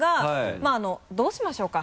まぁどうしましょうか？